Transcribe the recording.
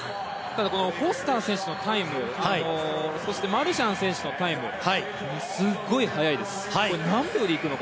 フォスター選手のタイムそしてマルシャン選手のタイムがすごい速いです。